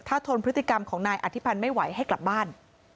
ถ้าทนพฤติกรรมของนายอธิพันธ์ไม่ไหวให้กลับบ้าน